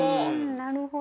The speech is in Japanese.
なるほど！